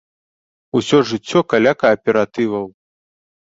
Усё жыццё каля кааператываў.